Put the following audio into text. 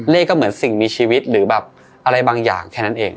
ก็เหมือนสิ่งมีชีวิตหรือแบบอะไรบางอย่างแค่นั้นเอง